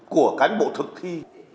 của cánh bộ thực thi